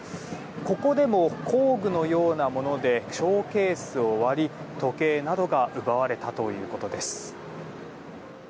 ここでも工具のようなものでショーケースを割り時計などが奪われたということです。